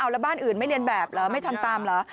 แล้วบ้านอื่นไม่เรียนแบบเหรอไม่ทำตามเหรอ